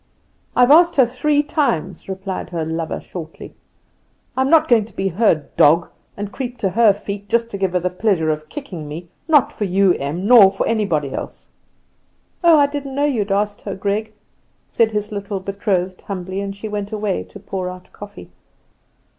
"I have asked her three times," replied her lover shortly. "I'm not going to be her dog, and creep to her feet, just to give her the pleasure of kicking me not for you, Em, nor for anybody else." "Oh, I didn't know you had asked her, Greg," said his little betrothed, humbly; and she went away to pour out coffee.